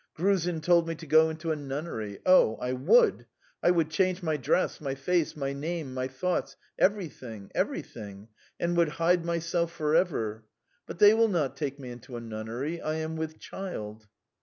Gruzin told me to go into a nunnery. Oh, I would! I would change my dress, my face, my name, my thoughts ... everything everything, and would hide myself for ever. But they will not take me into a nunnery. I am with child."